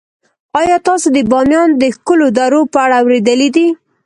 آیا تاسو د بامیان د ښکلو درو په اړه اوریدلي دي؟